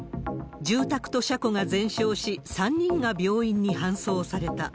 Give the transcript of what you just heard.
住宅と車庫が全焼し、３人が病院に搬送された。